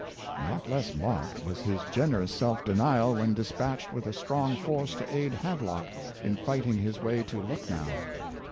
" Not less marked was his gererous self denial when dispatched with a strong force to aid Hav clock in fight ing his way to Lucknow.